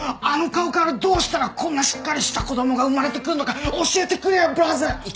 あの顔からどうしたらこんなしっかりした子供が生まれてくんのか教えてくれよブラザー！